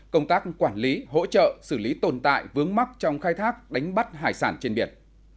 công tác quản lý hỗ trợ xử lý tồn tại vướng mắc trong khai thác đánh bắt hải sản trên biển